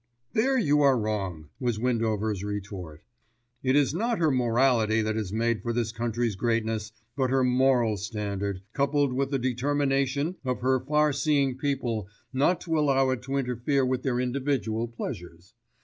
"There you are wrong," was Windover's retort, "it is not her morality that has made for this country's greatness, but her moral standard, coupled with the determination of her far seeing people not to allow it to interfere with their individual pleasures.